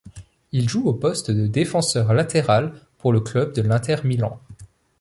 Il joue au poste de défenseur latéral pour le club de l'Inter Milan.